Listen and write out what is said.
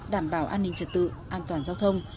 đảm bảo an ninh trật tự an toàn giao thông